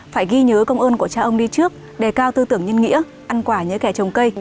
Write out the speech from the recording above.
phải ghi nhớ công ơn của cha ông đi trước đề cao tư tưởng nhân nghĩa ăn quả nhớ kẻ trồng cây